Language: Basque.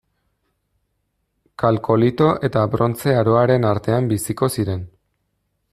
Kalkolito eta Brontze Aroaren artean biziko ziren.